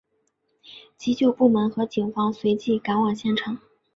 急救部门和警方随即赶往现场。